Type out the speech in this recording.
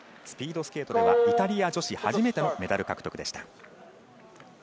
スピードスケートではイタリア女子初めてのメダル獲得でした。